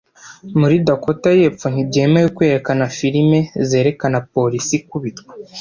Muri Dakota yepfo ntibyemewe kwerekana firime zerekana Polisi ikubitwa